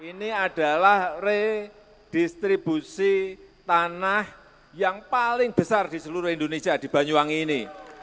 ini adalah redistribusi tanah yang paling besar di seluruh indonesia di banyuwangi ini